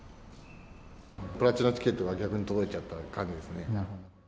プラチナチケットが逆に届いちゃった感じですね。